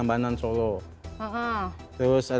yang main bassnya kakak itu menado